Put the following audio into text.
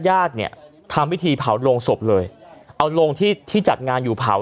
ญาติเนี่ยทำพิธีเผาโรงศพเลยเอาโรงที่ที่จัดงานอยู่เผา